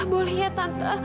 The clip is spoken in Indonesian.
boleh ya tante